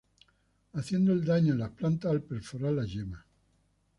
Haciendo el daño en las plantas al perforar las yemas.